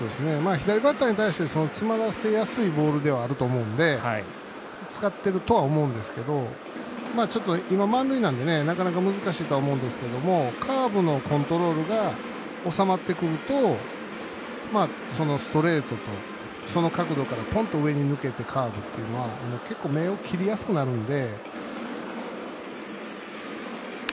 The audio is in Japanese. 左バッターに対して詰まらせやすいボールだとは思うんで使ってるとは思うんですけど今、満塁なんでなかなか難しいと思うんですけどカーブのコントロールが収まってくるとストレートと、その角度から上にぽんと向けてカーブっていうのは結構、切りやすくなるんで。